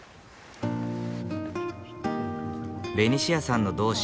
ベニシアさんの同志